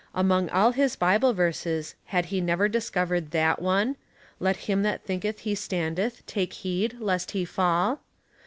Among all his Bible verses had he never discovered that one, " Let him that thinketh he standeth take heed lest he fall